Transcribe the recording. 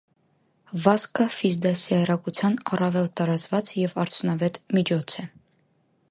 Վազքը ֆիզդաստիարակության առավել տարածված և արդյունավետ միջոց է։